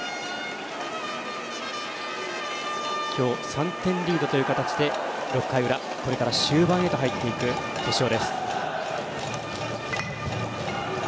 ３点リードという形で６回裏終盤に入っていく決勝です。